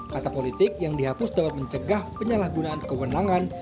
kata politik yang dihapus dapat mencegah penyalahgunaan kewenangan